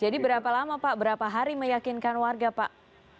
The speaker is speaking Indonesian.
jadi berapa lama pak berapa hari meyakinkan warga pak